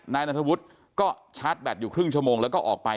นายนัทวุฒิก็ชาร์จแบตอยู่ครึ่งชั่วโมงแล้วก็ออกไป